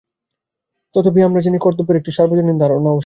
তথাপি আমরা জানি, কর্তব্যের একটি সর্বজনীন ধারণা অবশ্যই আছে।